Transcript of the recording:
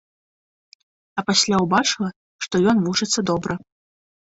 А пасля ўбачыла, што ён вучыцца добра.